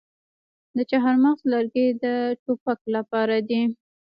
د چهارمغز لرګي د ټوپک لپاره دي.